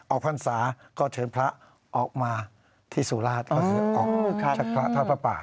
พรรษาก็เชิญพระออกมาที่สุราชก็คือออกจากพระทอดพระป่า